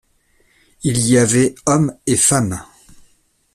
Il y avait hommes et femmes.